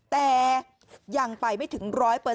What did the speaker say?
แต่ยังไปไม่ถึง๑๐๐